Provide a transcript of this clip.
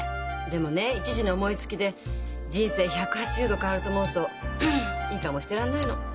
でもね一時の思いつきで人生１８０度変わると思うといい顔もしてられないの。